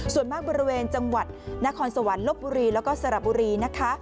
ส่วนมากบริเวณจังหวัดนครสวรรค์ลบบุรีแล้วก็สระบุรีนะคะ